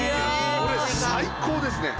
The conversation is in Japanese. これ最高ですね。